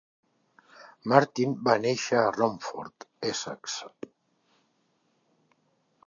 Martin va néixer a Romford, Essex.